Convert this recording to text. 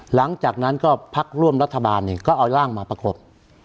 หลังจากนั้นก็พักร่วมรัฐบาลเนี่ยก็เอาร่างมาประกบ